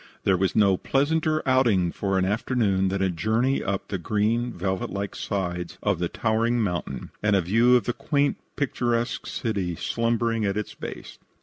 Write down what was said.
There was no pleasanter outing for an afternoon than a journey up the green, velvet like sides of the towering mountain and a view of the quaint, picturesque city slumbering at its base.